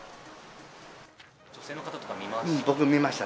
女性の方とか見ました？